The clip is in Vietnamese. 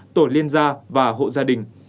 tổ liên gia và hộ gia đình